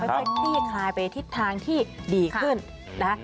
ค่อยคลี่คลายไปทิศทางที่ดีขึ้นนะคะ